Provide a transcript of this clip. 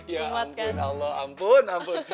ya ampun allah ampun ampun